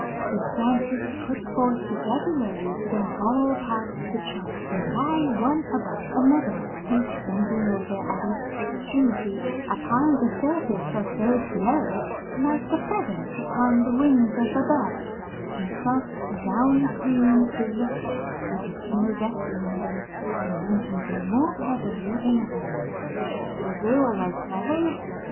'The branches put forth irregularly from all parts of the trunk, and lie one above another, each bending over at its extremities upon the surface of those below, like the feathers upon the wings of a bird,' And soft, downy plumes they look, with the snow resting on them and making them more feathery than ever." "So they are like feathers?"